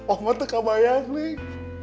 omah teka bayang neng